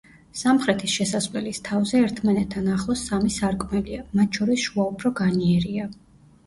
სამხრეთის შესასვლელის თავზე, ერთმანეთთან ახლოს, სამი სარკმელია, მათ შორის შუა უფრო განიერია.